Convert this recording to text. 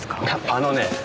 あのね